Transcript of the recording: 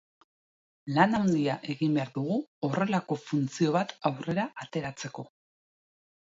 Lan handia egin behar dugu horrelako funtzio bat aurrera ateratzeko.